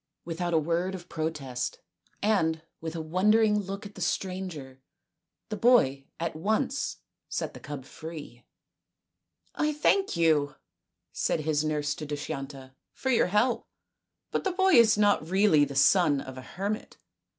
Without a word of protest and with a wondering look at the stranger the boy at once set the cub free. 250 THE INDIAN STORY BOOK " I thank you," said his nurse to Dushyanta, " for your help ; but the boy is not really the son of a hermit."